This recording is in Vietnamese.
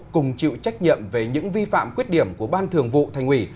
cùng chịu trách nhiệm về những vi phạm khuyết điểm của ban thường vụ thành ủy